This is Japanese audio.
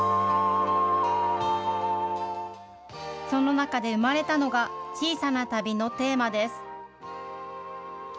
その中で生まれたのが、小さな旅のテーマです。